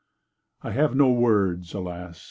I have no words—alas!